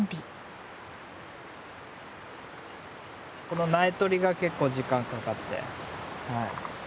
この苗とりが結構時間かかって。